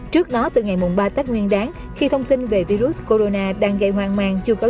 trước đó từ ngày ba tết nguyên đáng khi thông tin về virus corona đang gây hoang mang chưa có